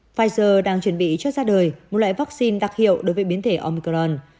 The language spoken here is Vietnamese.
pfizer đang chuẩn bị cho ra đời một loại vaccine đặc hiệu đối với biến thể omcron